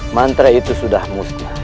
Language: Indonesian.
mantra itu sudah musnah